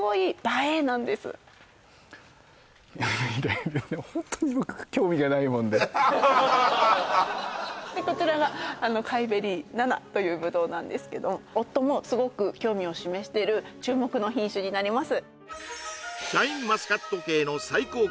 見てる見てるこちらが甲斐ベリー７というぶどうなんですけども夫もすごく興味を示してる注目の品種になります